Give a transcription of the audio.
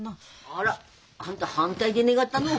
あら？あんた反対でねがったの？